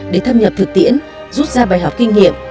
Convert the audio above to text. để thâm nhập thực tiễn rút ra bài học kinh nghiệm